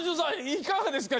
いかがですか？